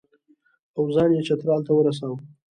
او ځان یې چترال ته ورساوه.